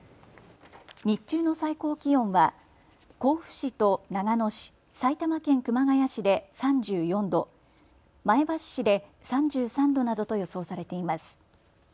日中の最高気温は甲府市と長野市、埼玉県熊谷市で３４度、前橋市で３３度などと予想されています。